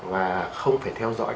và không phải theo dõi